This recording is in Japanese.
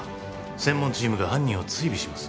専門チームが犯人を追尾します